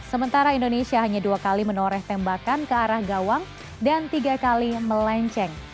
sementara indonesia hanya dua kali menoreh tembakan ke arah gawang dan tiga kali melenceng